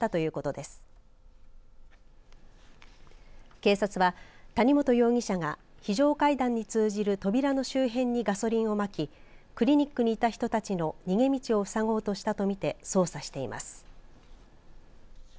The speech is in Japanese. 警察は、谷本容疑者が非常階段に通じる扉の周辺にガソリンをまきクリニックにいた人たちの逃げ道をふさごうとしたとみて捜査しています。